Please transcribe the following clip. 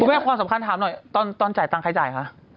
แม่ความสำคัญถามหน่อยตอนจ่ายตังค์ใครจ่ายคะ